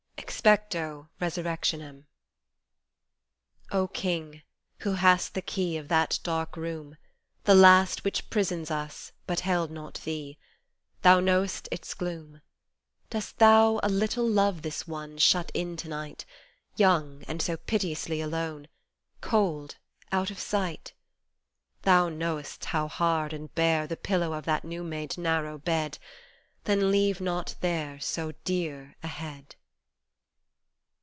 46 EXSPECTO RESURRECTIONEM OH ! King who hast the key Of that dark room, The last which prisons us but held not Theej Thou know'st its gloom. Dost Thou a little love this one Shut in to night, Young and so piteously alone, Cold out of sight ? Thou know'st how hard and bare The pillow of that new made narrow bed, Then leave not there So dear a head